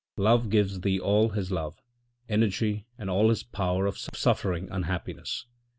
Love gives thee all his love, energy and all his power of suffering unhappiness.